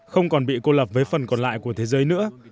không còn bị cô lập với phần còn lại của thế giới nữa